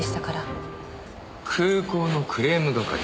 空港のクレーム係。